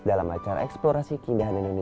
dalam acara eksplorasi keindahan indonesia